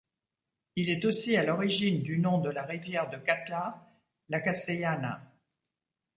Il est aussi à l'origine du nom de la rivière de Catllà, la Castellana.